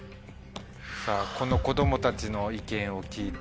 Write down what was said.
この子供たちの意見を聞いて。